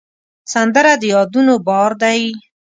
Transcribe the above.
سندره د یادونو بار دی